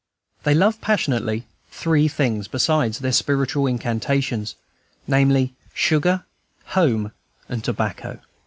They love passionately three things besides their spiritual incantations; namely, sugar, home, and tobacco.